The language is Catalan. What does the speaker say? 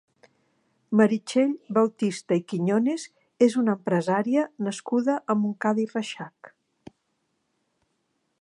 Meritxell Bautista i Quiñones és una empresària nascuda a Montcada i Reixac.